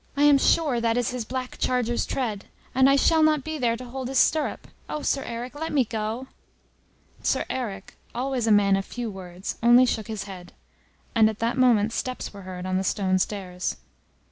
I am sure that is his black charger's tread! And I shall not be there to hold his stirrup! Oh! Sir Eric, let me go." Sir Eric, always a man of few words, only shook his head, and at that moment steps were heard on the stone stairs.